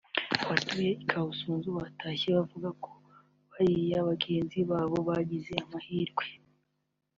Abatuye i Kabusanza batashye bavuga ko bariya bagenzi babo bagize amahirwe